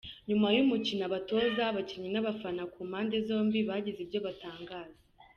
Nyuma y’umukino abatoza, abakinnyi n’abafana ku mpande zombi bagize ibyo batangaza.